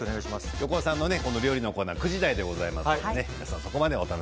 横尾さんの料理のコーナー９時台でございます。